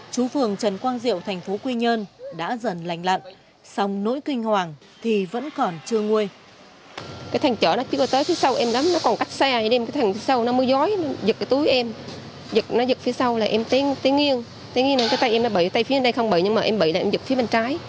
chú phường trần quang diệu thành phố quy nhơn đã dần lành lặn song nỗi kinh hoàng thì vẫn còn chưa nguôi